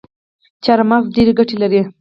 چارمغز ډیري ګټي لري